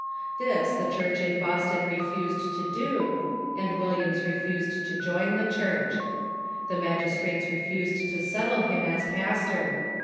This the Church in Boston refused to do, and Williams refused to join the Church. The magistrates refused to settle him as pastor.